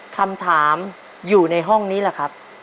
คำถามอยู่ในห้องนี้แหละครับ